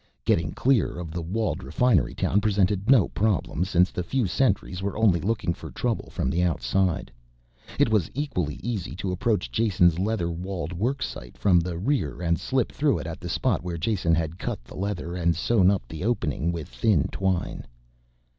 Getting clear of the walled refinery town presented no problem since the few sentries were only looking for trouble from the outside. It was equally easy to approach Jason's leather walled worksite from the rear and slip through it at the spot where Jason had cut the leather and sewn up the opening with thin twine.